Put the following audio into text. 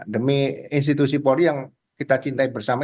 demi institusi polri yang kita cintai bersama